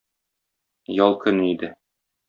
Ял көне иде.